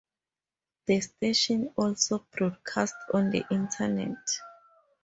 The station also broadcast on the Internet.